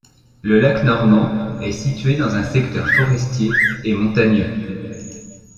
Le lac Normand est situé dans un secteur forestier et montagneux.